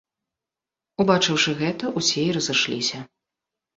Убачыўшы гэта, усе і разышліся.